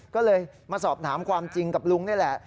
ก็เลยมาสอบถามความจริงกับลุงนี่แหละ